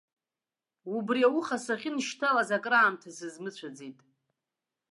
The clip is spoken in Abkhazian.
Убри ауха сахьнышьҭалаз акраамҭа сызмыцәаӡеит.